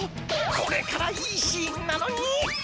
これからいいシーンなのに。